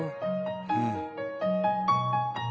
うん。